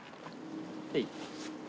はい。